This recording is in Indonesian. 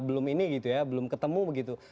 belum ini gitu ya belum ketemu begitu